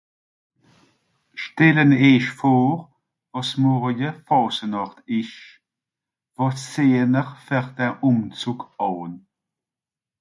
Stelle-n-èich vor, àss Morje Fàsenàcht ìsch. Wàs zìeje-n-r fer de Ùmzùg àn ?